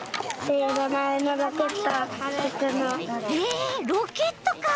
えロケットか。